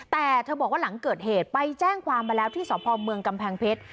แต่เธอบอกว่าหลังเกิดเหตุไปแจ้งความมาแล้วที่สพเมืองกำแพงเพชร